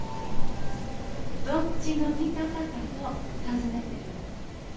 どっちの味方かと尋ねてるの。